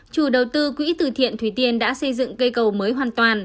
chủ đầu tư quỹ từ thiện thủy tiên đã xây dựng cây cầu mới hoàn toàn